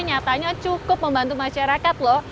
nyatanya cukup membantu masyarakat loh